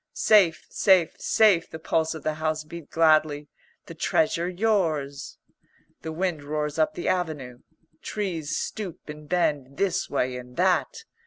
"Safe, safe, safe," the pulse of the house beat gladly. "The Treasure yours." The wind roars up the avenue. Trees stoop and bend this way and that.